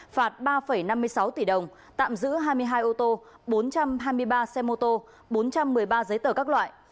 phạt ba năm mươi sáu tỷ đồng tạm giữ hai mươi hai ô tô bốn trăm hai mươi ba xe mô tô bốn trăm một mươi ba giấy tờ các loại